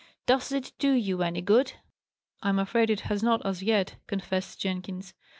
Does it do you any good?" "I am afraid it has not, as yet," confessed Jenkins.